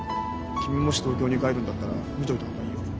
君もし東京に帰るんだったら見といた方がいいよ。